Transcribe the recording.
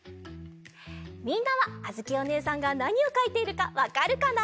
みんなはあづきおねえさんがなにをかいているかわかるかな？